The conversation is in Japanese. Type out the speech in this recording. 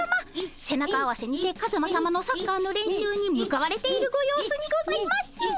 背中合わせにてカズマさまのサッカーの練習に向かわれているご様子にございます。